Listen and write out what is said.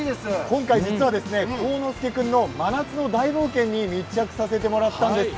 今回、実は幸之介君の真夏の大冒険に密着させてもらったんです。